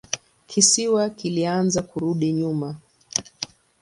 Kisiwa kilianza kurudi nyuma.